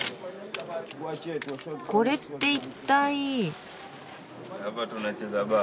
これって一体。